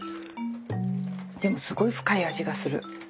でもすごい深い味がする。